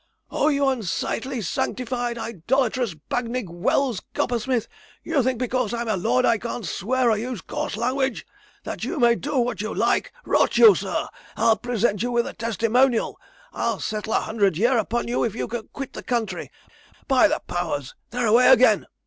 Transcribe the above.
'Oh, you unsightly, sanctified, idolatrous, Bagnigge Wells coppersmith, you think because I'm a lord, and can't swear or use coarse language, that you may do what you like; rot you, sir, I'll present you with a testimonial! I'll settle a hundred a year upon you if you'll quit the country. By the powers, they're away again!'